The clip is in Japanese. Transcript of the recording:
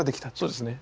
そうですね。